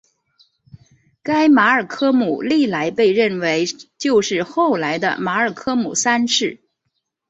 该马尔科姆历来被认为就是后来的马尔科姆三世。